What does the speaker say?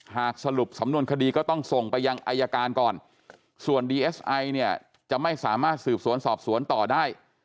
หากสรุปสำนวนคดีก็ต้องส่งไปยังอายการก่อนส่วนดีเอสไอเนี่ยจะไม่สามารถสืบสวนสอบสวนต่อได้